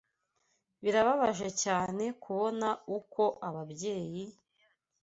Birababaje cyane kubona uko ababyeyi